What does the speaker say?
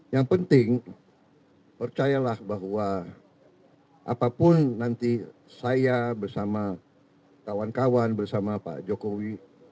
yang penting percayalah bahwa apapun nanti saya bersama kawan kawan bersama pak jokowi